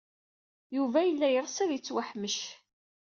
Yuba yella yeɣs ad yettwaḥmec.